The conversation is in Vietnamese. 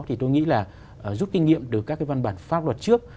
thì tôi nghĩ là rút kinh nghiệm được các cái văn bản pháp luật trước